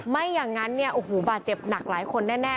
ไม่อย่างนั้นเนี่ยโอ้โหบาดเจ็บหนักหลายคนแน่